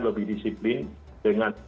lebih disiplin dengan